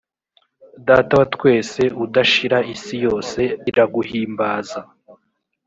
Data wa twese udashira isi yose iraguhimbaza